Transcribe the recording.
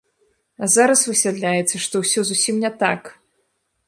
А зараз высвятляецца, што ўсё зусім не так.